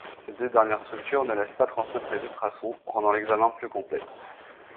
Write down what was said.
Ces deux dernières structures ne laissent pas transmettre les ultrasons, rendant l'examen plus complexe.